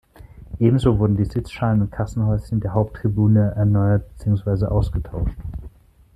Ebenso wurden die Sitzschalen und Kassenhäuschen der Haupttribüne erneuert beziehungsweise ausgetauscht.